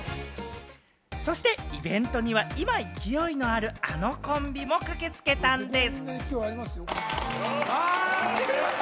そしてイベントには今、勢いのある、あのコンビも駆けつけたんです。